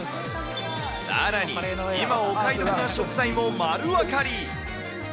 さらに、今お買い得な食材もまるわかり。